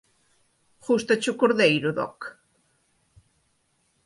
Gústache o cordeiro, Doc?